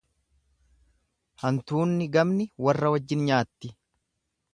Hantuunni gamni warra wajjin nyaatti.